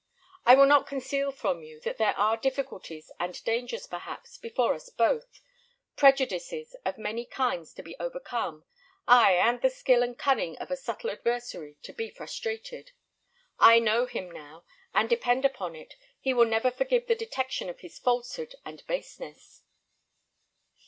I will not conceal from you that there are difficulties and dangers, perhaps, before us both, prejudices of many kinds to be overcome; ay, and the skill and cunning of a subtle adversary to be frustrated. I know him now, and depend upon it, he will never forgive the detection of his falsehood and baseness."